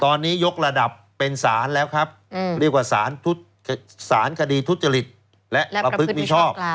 ตอนนี้ยกระดับเป็นสารแล้วครับเรียกว่าสารคดีทุจริตและประพฤติมิชอบ